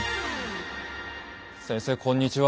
先生こんにちは。